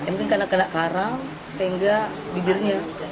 mungkin karena kena karang sehingga bibirnya